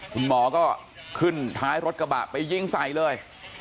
คุณหมอก็ขึ้นท้ายรถกระบะไปยิงใส่เลย